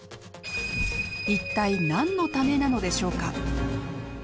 一体何のためなのでしょうか？